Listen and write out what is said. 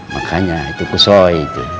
makanya itu pesoi